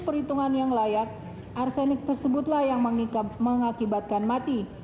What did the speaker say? perhitungan yang layak arsenik tersebutlah yang mengakibatkan mati